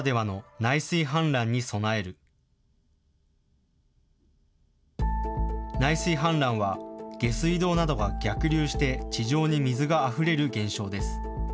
内水氾濫は下水道などが逆流して地上に水があふれる現象です。